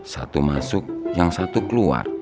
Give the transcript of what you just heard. satu masuk yang satu keluar